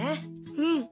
うん。